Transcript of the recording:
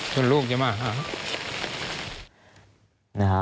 ลูกจะมาหา